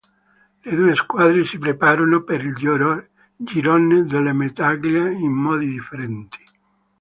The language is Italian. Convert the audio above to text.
Le due squadre si prepararono per il girone delle medaglie in modi differenti.